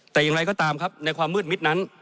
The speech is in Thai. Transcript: แต่อย่างไรก็ตามครับในความมืดมิดนั้น